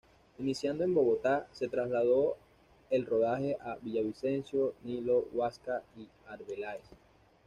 Iniciando en Bogotá se trasladó el rodaje a Villavicencio, Nilo, Guasca y Arbeláez.